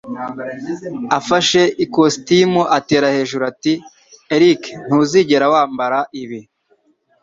Afashe ikositimu, atera hejuru ati: "Eric, ntuzigera wambara ibi!"